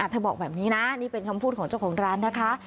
บอกแบบนี้นะนี่เป็นคำพูดของเจ้าของร้านนะคะ